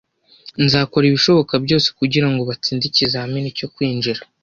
Nzakora ibishoboka byose kugirango batsinde ikizamini cyo kwinjira.